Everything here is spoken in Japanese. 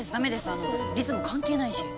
あのリズム関係ないし。